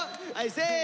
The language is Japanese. せの。